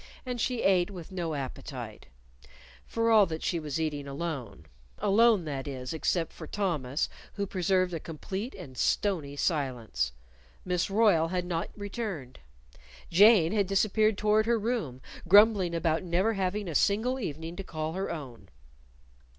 And she ate with no appetite for all that she was eating alone alone, that is, except for Thomas, who preserved a complete and stony silence. Miss Royle had not returned. Jane had disappeared toward her room, grumbling about never having a single evening to call her own.